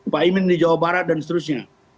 pak imin di jawa barat dan seterusnya